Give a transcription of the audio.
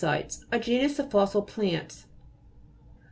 PALMACI'TES A genus of fossil plants.